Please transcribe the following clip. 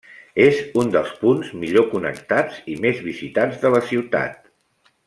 És un dels punts millor connectats i més visitats de la ciutat.